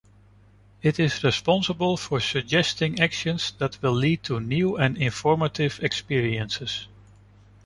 It is responsible for suggesting actions that will lead to new and informative experiences.